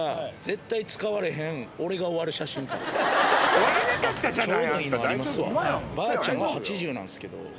終わらなかったじゃない。